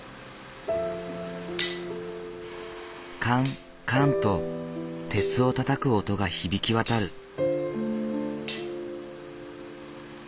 カンカンと鉄をたたく音が響き渡る。